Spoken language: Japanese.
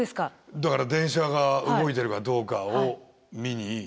だから電車が動いてるかどうかを見に。